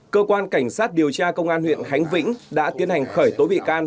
cơ quan cảnh sát điều tra công an huyện khánh vĩnh đã tiến hành khởi tố bị can